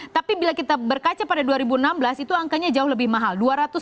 tapi bila kita berkaca pada dua ribu enam belas itu angkanya jauh lebih mahal